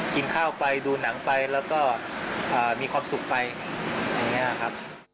กินข้าวไปดูหนังไปแล้วก็มีความสุขไปอย่างนี้ครับ